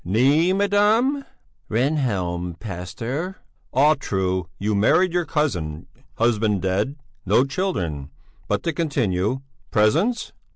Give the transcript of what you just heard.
"Née, madame?" "Rehnhjelm, pastor." "Ah! true! You married your cousin, husband dead, no children. But to continue: Presents...."